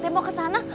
neng mau ke sana